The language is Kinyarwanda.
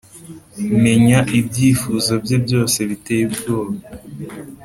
menya ibyifuzo bye byose biteye ubwoba